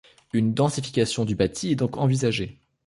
Une densification du bâti est donc envisagée.